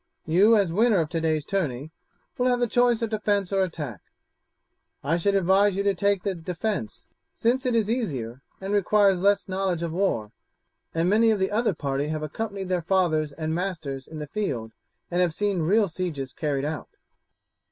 You, as winner of today's tourney, will have the choice of defence or attack. I should advise you to take the defence, since it is easier and requires less knowledge of war, and many of the other party have accompanied their fathers and masters in the field and have seen real sieges carried out."